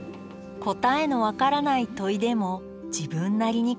答えの分からない問いでも自分なりに考える。